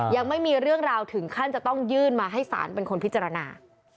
ยังไม่มีเรื่องราวถึงขั้นจะต้องยื่นมาให้ศาลเป็นคนพิจารณา